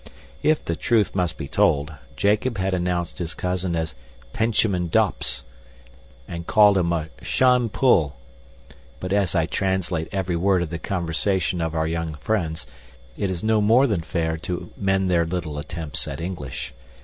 If the truth must be told, Jacob had announced his cousin as Penchamin Dopps, and called his a Shon Pull, but as I translate every word of the conversation of our young friends, it is no more than fair to mend their little attempts at English.